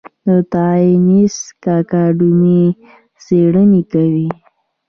د ساینس اکاډمي څیړنې کوي؟